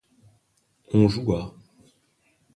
On joua.